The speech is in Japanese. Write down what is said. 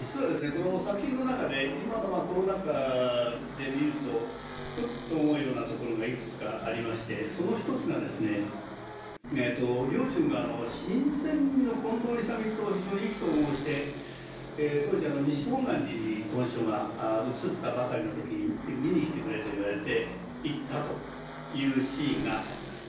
この作品の中で今のコロナ禍で見るとうっと思うようなところがいくつかありましてその一つがですね良順が新選組の近藤勇と非常に意気投合して当時西本願寺に屯所が移ったばかりの時に見に来てくれと言われて行ったというシーンがあります。